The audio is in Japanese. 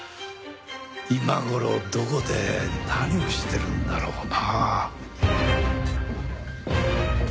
今頃どこで何をしてるんだろうなあ。